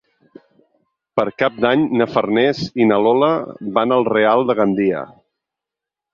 Per Cap d'Any na Farners i na Lola van al Real de Gandia.